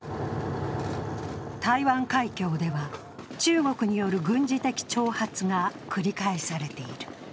台湾海峡では、中国による軍事的挑発が繰り返されている。